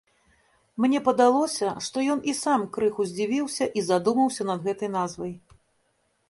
Мне падалося, што ён і сам крыху здзівіўся і задумаўся над гэтай назвай.